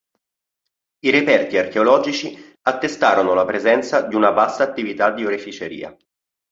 I reperti archeologici attestarono la presenza di una vasta attività di oreficeria.